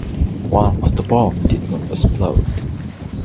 One of the bombs did not explode.